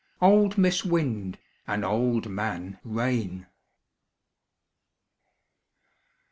Old Mis' Wind and Old Man Rain.